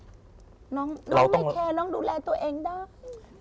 น้องไม่แคร์น้องดูแลตัวเองได้